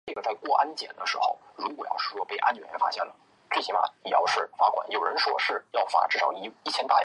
陆军第八十一集团军所属部队还有部分来自原陆军第二十七集团军。